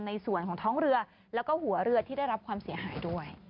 ในส่วนของท้องเรือแล้วก็หัวเรือที่ได้รับความเสียหายด้วย